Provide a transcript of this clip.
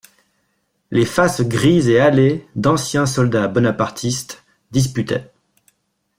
Les faces grises et hâlées d'anciens soldats bonapartistes disputaient.